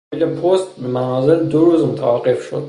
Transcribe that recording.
تحویل پست به منازل دو روز متوقف شد.